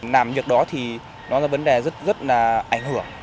làm việc đó thì nó là vấn đề rất rất là ảnh hưởng